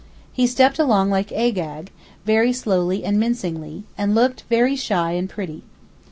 He stepped along like Agag, very slowly and mincingly, and looked very shy and pretty.